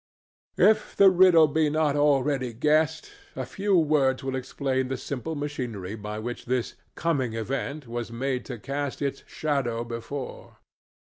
If the riddle be not already guessed, a few words will explain the simple machinery by which this "coming event" was made to cast its "shadow before."